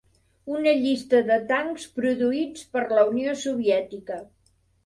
Una llista de tancs produïts per la Unió Soviètica.